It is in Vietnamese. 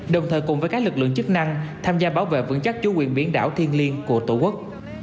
đồng thời cùng với các lực lượng chức năng tham gia bảo vệ vững chắc chủ quyền biển đảo thiên liêng của tổ quốc